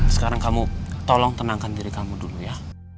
sekarang kamu tolong tenangkan diri kamu dulu ya